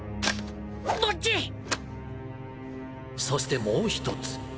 そしてもう一つ